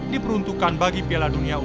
diperuntukkan bagi piala dunia u dua